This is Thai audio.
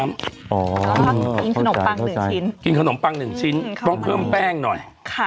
กินขนมปัง๑ชิ้นกินขนมปังหนึ่งชิ้นต้องเพิ่มแป้งหน่อย